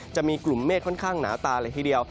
จะมีกลุ่มเมฆค่อนข้างหนาตาเลยทีเดียว